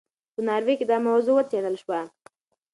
په ناروې کې دا موضوع وڅېړل شوه.